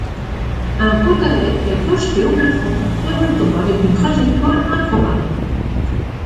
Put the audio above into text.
Un pot à lait est projeté au plafond et retombe avec une trajectoire improbable.